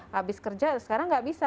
habis kerja sekarang nggak bisa